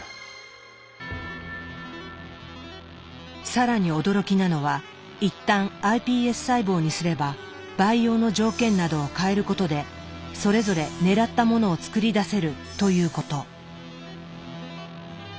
更に驚きなのは一旦ｉＰＳ細胞にすれば培養の条件などを変えることでそれぞれ狙ったものを作り出せるということ。